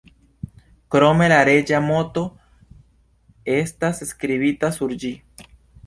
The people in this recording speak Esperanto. Krome la reĝa moto estas skribita sur ĝi.